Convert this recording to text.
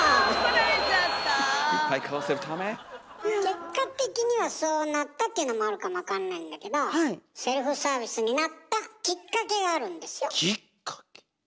結果的にはそうなったっていうのもあるかもわかんないんだけどセルフサービスになったきっかけがあるんですよ。きっかけ。